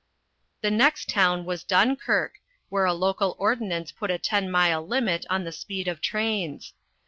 The next town was Dunkirk, where a local ordinance put a 10 mile limit on the speed of trains.